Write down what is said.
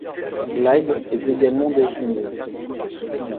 Blyde est également désignée '.